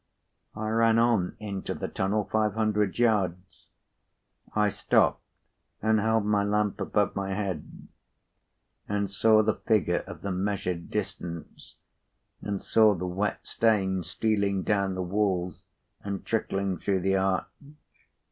I ran on, into the tunnel, five hundred yards. I stopped and held my lamp above my head, and saw the figures of the measured distance, and saw the wet stains stealing down the walls and trickling through the arch.